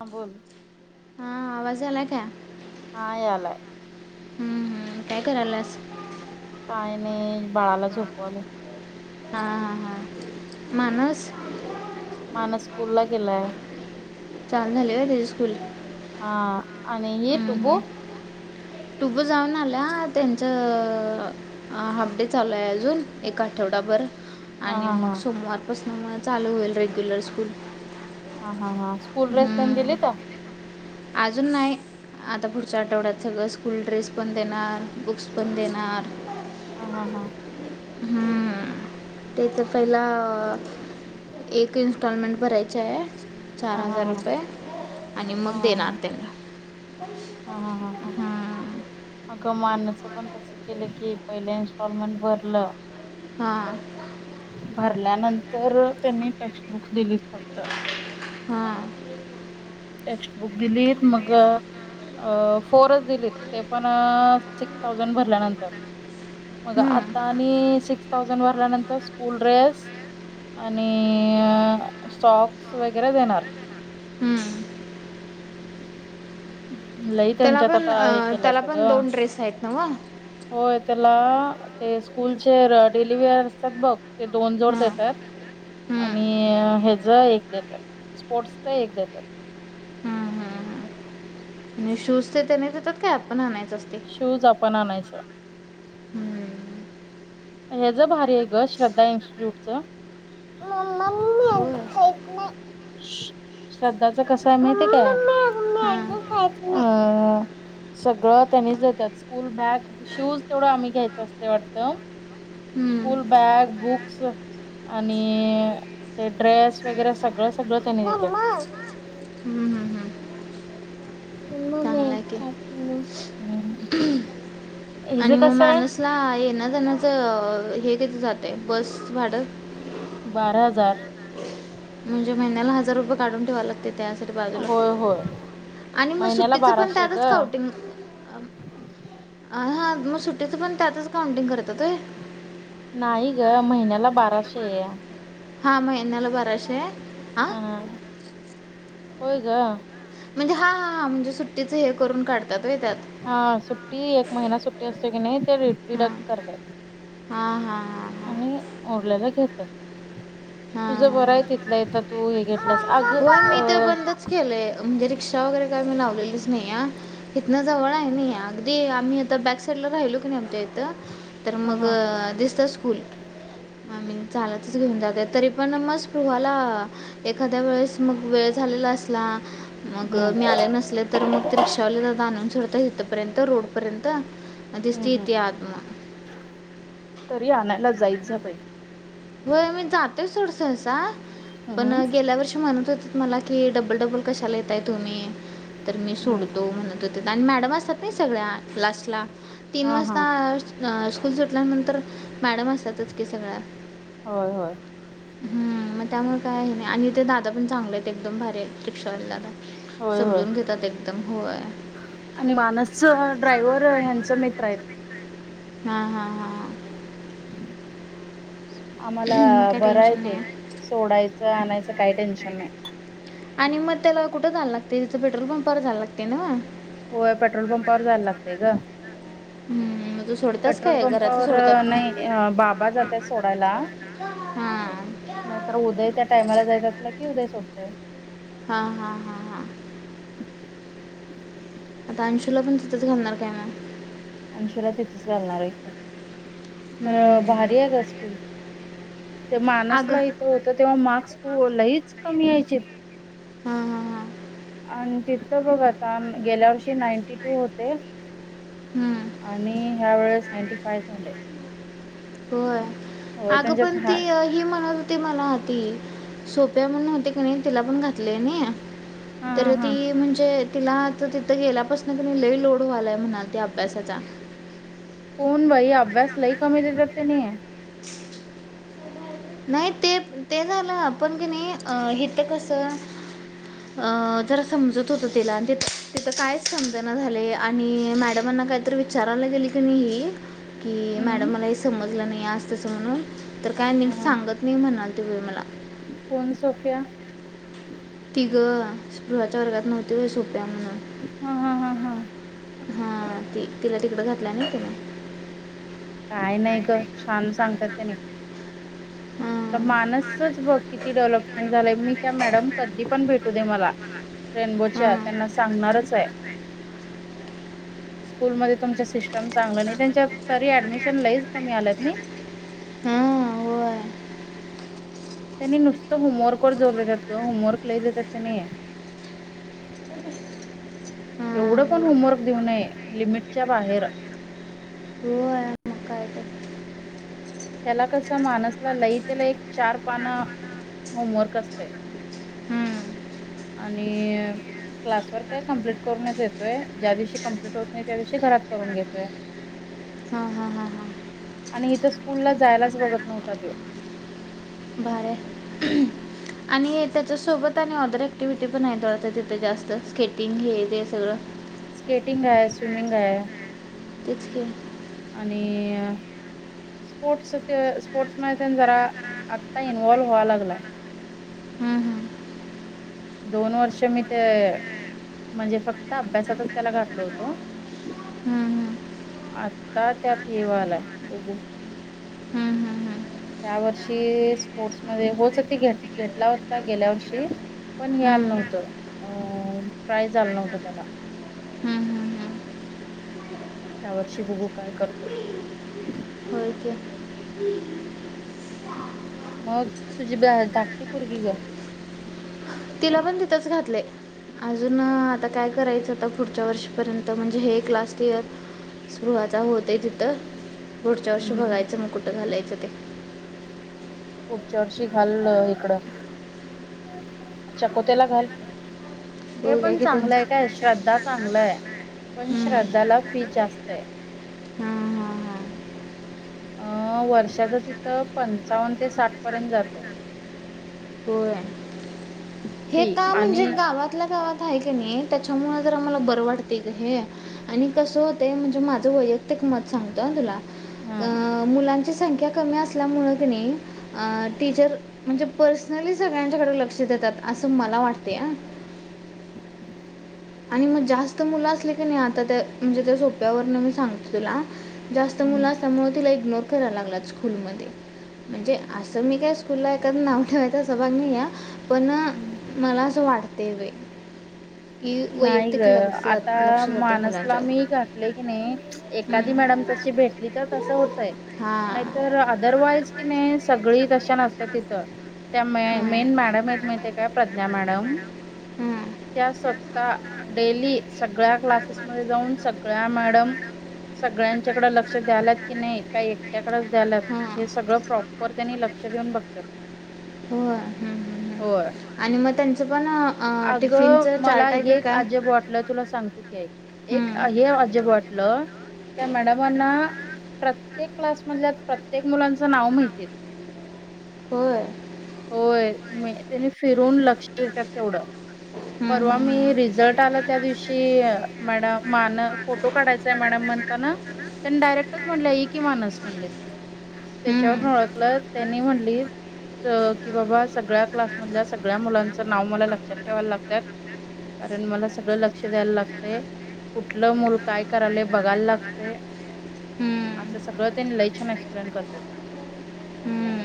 हां बोल. हा आवाज आलाय का? हा यालाय हम्म हम्म काय करायलास? काय नाही बाळाला झोपवलं. हा हा, हा, मानस मानस स्कूल ला गेलाय. छान झालंय हं डे स्कूल हा आणि ये टुबो टिब्बू जाऊन आला त्यांच हाफ डे चालूय अजून एक आठवडाभर. हा आणि हा मग हा सोमवार पासून म चालू होईल रेग्युलर स्कूल. हा हा. स्कूल ड्रेस त्याने दिले का? आजून नाही आता पुढच्या आठवड्यात सगळं स्कूल ड्रेस पण देणार बुक्स पण देणार. हा हा हा. हम्म ते तर पहिला एक इन्स्टॉलमेंट भरायचे आहे. चार हा हा हजार हा रुपये आणि हा मग हा हा देणार त्यांना. हा हा हा हा. हां अगं मानचं पण तसं केलं की पहिले इन्स्टॉलमेंट भरलं. हां. भरल्यानंतर त्यांनी टेक्स्टबुक दिलीत फक्त. हा. टेक्स्टबुक दिलीत मग फोरच दिलीत ते पण सिक्स थाउजंड भरल्यानंतर मग हं, आता आणि सिक्स थाउजंड भरल्यानंतर स्कूल ड्रेस आणि सॉक्स वगैरे देणार. हं. [inaudible] त्याला त्यांच्यात पण आता अ हे त्याला केल्यात ग पण दोन ड्रेस आहेत नव्हं. होय त्याला ते स्कूलचे डेलीवेअर असतात बघ ते दोन जोड हां देतात आणि हं, हच एक देतात स्पोर्ट्सच एक देतात. हं, हं, हं. आणि शूज तेन त्याने देतात काय आपणा आणायचं. असते शूज आपण आणायच. हं. [inaudible] हेज भारी हाय ग श्रद्धा इन्स्टिट्यूट च होय श्रद्धाच कस हाय हां माहिती काय सगळं त्यांनीच देतात, स्कूल बॅग शूज तेवढ आम्ही घ्यायच असतय वाटत. हं, स्कूल बॅग बुक्स आणि ते ड्रेस वगैरे सगळं सगळं त्यांनी दिलेत. हं, हं, हं. चांगलं आहे की [unintelligible] हिज आणि मग कसं आहे मानूसला येन. हे किती जातय बस भाडं. बारा हजार. म्हणजे महिन्याला हजार रुपये काढून ठेवाय लागतय. त्यासाठी बाजूला होय होय आणि मग महिन्याला सुट्टीच पण बाराशे ग त्यातच काउंटिंग अ हा मग सुटीच पण त्यातच काउंटिंग करतात होय. नाही ग महिन्याला बाराशे. हा महिन्याला बाराशे. हां हा. होय ग. म्हणजे हा हा म्हणजे सुट्टीचं हे करून काढ. काढत्यात त्यात होय त्यात. हा सुट्टी एक महिना सुट्टी असते कनी त्यात तर हां डिडक्ट करतात. हां हां हां हां आणि ओरलेला घेतात तुझ बरं आहे, तिथल्या तिथं तू घेतलंस अग हो अ मी ते बंदच केलंय म्हणजे रिक्षा वगैरे काय मी लावलेलीच नाही हाय. इथन जवळ आहे ना अगदी आम्ही आता बॅक साईड ला राहिलो की नाही आमच्या इथं. तर हा मग हा दिसतस. फुल आणि चालतच घेऊन जात्यात तरी पण मग स्पृहाला एखाद्या वेळेस. मग वेळ झालेला असला. मग हम्म मी आले नसले तर मग ते रिक्षावाले ज आणून सोडतात. इथपर्यंत रोडपर्यंत. आणि तिचं हम्म ती हम्म येते आत मग. तरी आणायला जाईच बाई. हो मी जातोय सोड सहसा. हम्म पण गेल्या वर्षी म्हणत होतो. मला कि डबल, डबल कशाला येताय तुम्ही. तर मी हम्म सोडतो म्हनून. आणि मॅडम असतात ना सगळ्या लास्टला. तीन हा हा वाजता. अ स्कूल सुटल्यानंतर मॅडम असतातच की सगळ्या. होय, होय. हम् मग त्यामुळे काय नाही आणि तेे दादा पण चांगले आहेत एकदम भारी. रिक्षावाले दादा होय होय समजून घेतात. एकदम होय आणि मानस ड्रायव्हर ह्यांचा मित्र आहेत. हा, हा, हा, ह. आम्हाला मग काय बरं आहे टेन्शन नाही ते सोडायचं आणायचं काही टेन्शन नाही. आणि मग त्याला कुठं जायला लागते तिथं पेट्रोल पंपावर जायला लागतया नव्हं. होय पेट्रोल पंपावर जायला लागतय ग. हम्म. तू सोडतास पेट्रोल काय घरातलं पंपावर सोडतात नाही बाबा जातय सोडायला हां नाहीतर उदय त्या टायमाला जाईत असलं कि उदय सोडतोय. हां हां हां हां आता अंशूला पण तिथंच घालणार काय मग. अनशुला तिथेच घालणार आहे. खर भारी आहे. हम्म. ग स्कूल त्या अगं माणसला इथे होत, तेव्हा मार्क्स. हो लईच कमी यायचीत. हा, हा, हा. आणि तिथथं बघ आता गेल्या वर्षी नाईंटी टू होते. हम्म. आणि ह्या वेळेस. नाईंटी फाय झाले. होय होय अगं त्यांच्यात पण हा ती ही म्हणत होती. ती म्हणत हाती सोप्या म्हणून होते कनी. तिला पण घातले या नई हा हा तर हा ती म्हणजे. तिला तर तिथं गेल्यापासन लई लोड व्हालाय म्हणालती अभ्यासाचा. पण बाई अभ्यासलाही कमी देतात तेनी. नाही ते ते झालं पण कनी अ हेिथ कसं अ जरा समजत होत तिला, ति तिथं कायच समजना झाले आणि मॅडमांना काहीतरी विचारायला गेली कणी ही कि हम्म मॅडम मला हे समजत. समजल नाही आज तस म्हनून तर काय. हम्म सांगत नाही म्हणालती. ती बाई मला. कोण सोफिया. ती ग स्पृहाच्या वर्गात नव्हती होय ग सोफिया म्हणून हा हा हा हा हा ती तिला तिकड घातल्या ना तिने. काय नाही ग. छान सांगतात त्याने हां माणसच बघ किती डेव्हलपमेंट झालंय मी त्या मॅडम कधी पण भेटू दे मला. रेनबोच्या त्यांना सांगणारच आहे. त्यांना सांगणारच आहे, स्कूलमध्ये तुमच्या सिस्टम चांगला नाही, तेच्यात तरी ऍडमि ऍडमिशन लईच कमी आलात नाही. हम्म होय. त्यांनी नुसतं होमवर्क व जोर देतात ग होमवर्क लई देतात त्यांनी. हा एवढं पण व- होमवर्क देऊ नये लिमिटच्या बाहेर. होय मग काय तर त्याला कस माणसला लय त्याला एक चार पान होमवर्क असतय हम्म. आणि क्लास वर काय कमप्लट करूनच येतोय ज्या दिवशी कमप्लीट होत नाही, त्या दिवशी घरात करून घेतोय. हा हा हा हा आणि हित स्कूलला जायलाच बघत नव्हता तो. भारी हाय आणि त्याच्यासोबत. आणि अदर एक्टिव्हटी पण आहेत वाटत. तिथे जास्त स्केटिंग हे ते सगळं. स्केटिंग आहे स्विमिंग हाय. तेच की आणि स्पोर्टस स्पोर्ट्स मध्ये तेन जरा आता इन्वॉल्व व्हाय लागलाय. हम्म, हम्म. दोन वर्ष मी ते म्हणजे फक्त अभ्यासातच त्याला घातलो होतो हम्म, आता त्यात हे व्हायलाय हम्म. हम्म, हम्म, त्या वर्षी स्पोर्ट्समध्ये होच ते घेतला होता, गेल्या वर्षी पण हे आलं हम्म. नव्हतं अं प्राईज आलं नव्हत त्याला. हम्म, हम्म, हम्म. ह्यावर्षी बघू काय करतोय. होय की मग तुझी धाकटी पोरगी ग. तिला पण तिथच घातलं अजून आता काय करायचं आता पुढच्या वर्षीपर्यंत म्हणजे हे एक लास्ट इयर सुरुवात. होत तिथं पुढच्यावर्षी हम्म हम्म बघायचं मग कुठं घालायचं. ते. पुढच्या वर्षी घाल इकडं चकोतेला घाल. हे बघूया पण की चांगलंय हां काय श्रद्धा चांगलंय पण श्रद्धाला फी जास्त आहे. हां हां हां अ वर्ष. वर्षाचं तिथं पंचावन्न ते साठ पर्यंत जात. [unintelligible] हो हे फी का म्हणजे आणि गावातल्या गावात हाय. कनी त्याच्यामुळे जरा मला बरं वाटत ग हे आणि कस होतय म्हणजे मा माझं वैयक्तिक मत सांगतो हा तुला. हा मुलान मुलांची संख्या कमी असल्यामुळे कनी अ टीचर म्हणजे. पर्सनली सगळ्यांच्याकडे लक्ष देतात असं मला वाटतय हा. आणि मग जास्त मुलं असली की नाही आता त्या म्हणजे त्या सोप्यावरन मी सांगतो तुला. जास्त हम्म मुला असल्यामुळ तीला इग्नोर. कराय लागल्यात स्कूलमध्ये, म्हणजे असं मी काय स्कूलला एखाद्या नाव ठेवायचा असाभाग नाहीं हाय. पण हम्म मला असं वाटत. ते व्हय. नाही ग आता जाते माणसला मुलांच्या मी घातले की नाही एखादी हम्म मॅडम तशी भेटली तर तसं होतय हां. नाहीतर आदरवाईज कि नाही सगळी तशी नसतात तिथं. त्या म मेन मॅडम आहेत म्हणजे काय प्रज्ञा मॅडम हम्म. त्या स्वतः. आता डेली सगळ्या क्लासेसमध्येध्ये जाऊन सगळ्या मॅडम सगळ्यांच्याकडे लक्ष द्यालात की नाही काही एकट्याकडेच द्यालात हां. हे सगळं प्रॉपर त्यांनी लक्ष. लक्ष देऊन बघतात. हो हम् होय हम्म् आणि मग त्यांचं पण अ, आणि अगं टिफिनचं मला चार्ट आहे का हे काय अजब वाटलं तुला सांगतो की ऐक सांगते. एक हम्म. हे अजब त्या मॅडमांना प्रत्येक क्लासमधल्या प्रत्येक मुलांच नाव माहिती आहेत. होय होय. म त्यांनी फिरून लक्ष देतात. तेवढ हम्म परवा हम्म हम्म. मी रिझल्ट आला त्या हम्म. दिवशी मॅडम मान फोटो काढायचाय मॅडम म्हणताना त्यांनी डायरेक्टच म्हणले कि मानस म्हणली त्याच्यावर ओळखलं त्यांनी म्हणली की बाबा सगळ्या क्लासमधल्या सगळ्या मुलांच नाव मला लक्षात ठेवाय लागतात कारण मला सगळ लक्ष द्यायला लागते, कुठलं मूल काय करायल बघायला लागते, हम्म. अस सगळं ते लय छान एप्लेन करतात. हम्म.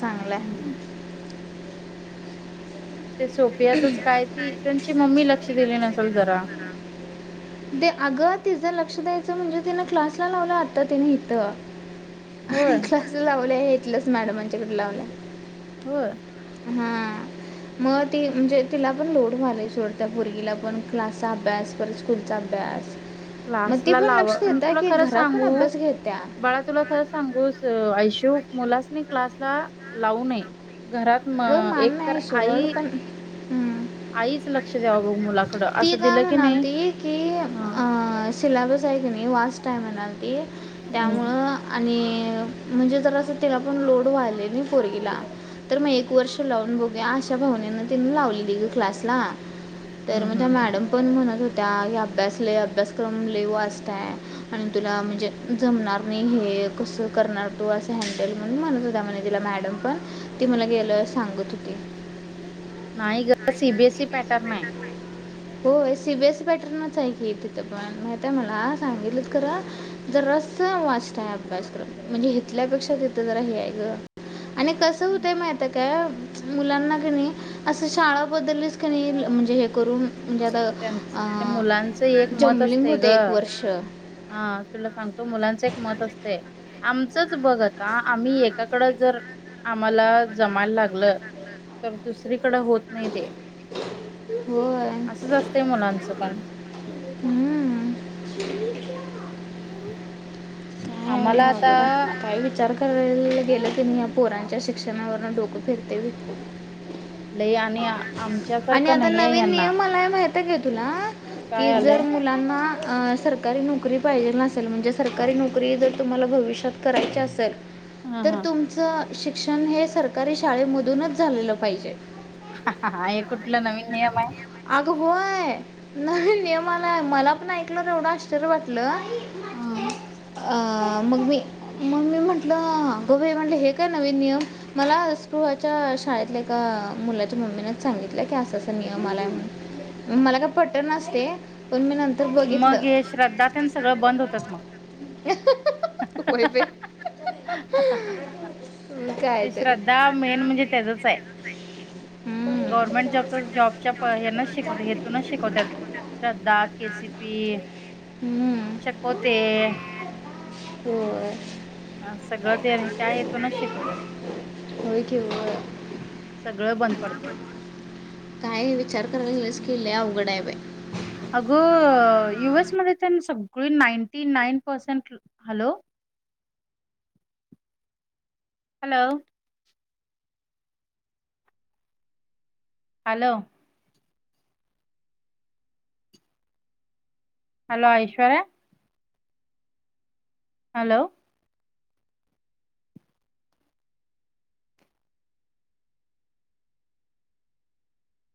चांगलंय. ते सोपियाचच काय ती त्यांची मम्मी लक्ष दिली नसेल जरा. ते अग तिचं लक्ष द्यायचं म्हणजे तिनं क्लासला लावलं आता तिने हथं. आम्ही होय क्लासला लावले आहेत. तलंच मॅडम आच्याकडे लावलं. होय. हा मग ती म्हणजे तिला पण लोड व्हायल सोड त्या मुर्गीला पण क्लासचा अभ्यास पण स्कूलचा अभ्यास. मग ती क्लासला पण लावा लक्ष मी देत्या तुला की खरं घरात पण सांगू अभ्यास घेत्या. बाळा तुला खरं सांगू आयशू मुलासनी क्लासला लावू नये. घरात म वर मान एक तर नाही आई सोड पण हं. आईच लक्ष द्यावं बघ मुलाकडं, ती असं काय दिलं की नाही ह. सिलाबस आहे क नाही वास्ट हाय म्हनालती. हम्म त्यामुळ आणि म्हणजे जरास तीला पण लोड व्हालागलय नाही पोरीला तर मग एक वर्ष लावून बघूया अशा भावनेनं तिने लावलेली ग क्लासला. हम्म तर हम्म माझ्या हम्म. मॅडम पण म्हणत होते त्या अभ्यास लयी अभ्यासक्रम लयी वास्त आहे. आणि तुला म्हणजे जमणार नाही, हे कसं करणार तू असं हॅडल म्हणून म्हणत होत म्हणे तिला मॅडम पण ती मला गेलं सांगत होती. नाही गर सीबीएसई पॅटर नाय. होय सीबीएसईी पॅटर्नच आहे की तिथं पण माहितय मला सांगितलच खरं जरास वास्ट हाय अभ्यासक्रम म्हणजे हेतल्यापेक्षा तिथं जरा हे आहे गं. आणि कसं होतंय माहित काय मुलांना कणी असं शाळाबदलीस कणी म्हणजे हे करून म्हणजे त्यां आता मुलांचं एक मत जम्बलिंग असते ग होतं एक वर्ष हा तुला सांगतो मुलांच एक मत असते आमचच बघ आता आम्ही एकाकड जर आम्हाला जमायला लागल तर दुसरीकड होत नाही ते. होय. असंच असतंय मुलांचं पण. हम्म. हम् अघड हाय काय विचार करायला गेलं कणी या पोरां च्या शिक्षणावरून डोकं फिरते बाई. लई आणि आणि आमच्यासारखं नाही आहे यांना. आता घे तूला. कि जर मुलांना अ सरकारी नोकरी पाहिजे चल म्हणजे सरकारी नोकरी जर तुम्हाला भविष्यात करायची असेल ह तर हा तुमचं शिक्षण हे सरकारी शाळेमधूनच झालेलं पाहिजे. हा हे कुठलं नवीन नियम आहे. अग होय. नाही नियमाला मला पण ऐकलं र एवढं आश्चर्य वाटलं. हम अ मग मी मम्मी म्हटलं अगं बाई म्हटलं हे काय नवीन नियम मला स्पुहाच्या शाळेतल्या एका मुलाच्या मम्मीनेच सांगितलं की असा अस नियम मला मला काय पटनाच ते पण मी नं मग हे श्रद्धा तेन सगळं बंद होतात मग. इ काय ते तर श्रद्धा मेन म्हणजे त्याचच आहे हम्म. गवर्मेंट जॉब जॉबच्या हे नच शिकवते हेतूनच शिकवतात श्रद्धा, केसिपी, हम्म. चकोते. होय. अ सगळं ते त्या हेतूनचं शिकवतात होय की होय सगळं बंद पडते. काय विचार कराय लागलीस की लयी आवघड आहे बाई. अगं यूएस मध्ये तर सगळी ninety nine percent hello hello hello hello Aishwarya. Hello.